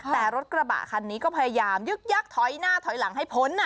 แต่รถกระบะคันนี้ก็พยายามยึกยักษ์ถอยหน้าถอยหลังให้พ้น